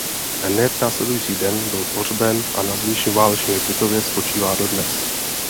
Hned následující den byl pohřben a na zdejším válečném hřbitově spočívá dodnes.